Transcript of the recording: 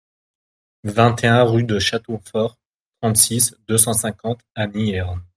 vingt et un rue de Château Fort, trente-six, deux cent cinquante à Niherne